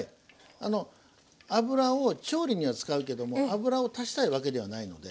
あの油を調理には使うけども油を足したいわけではないので。